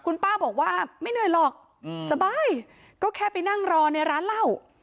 คุณป้าบอกว่าไม่เหนื่อยหรอกสบายก็แค่ไปนั่งรอในร้านเหล้า